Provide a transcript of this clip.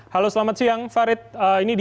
halo selamat siang farid